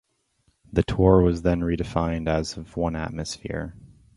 The torr was then redefined as of one atmosphere.